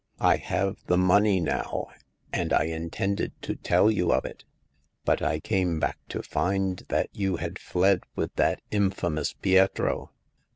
I have the money now, and I intended to tell you of it ; but I came back to find that you had fled with that infamous Pietro."